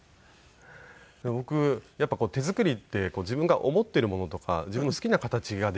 僕やっぱり手作りって自分が思っているものとか自分の好きな形ができる。